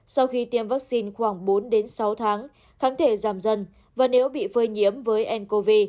sau khi tiêm vaccine khoảng bốn sáu tháng kháng thể giảm dần và nếu bị phơi nhiễm với ncov